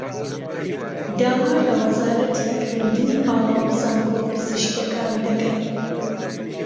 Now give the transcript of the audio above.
داوا له وهزارهتی خوێندنی باڵا و زانکۆ پزیشکییهکان دهکهین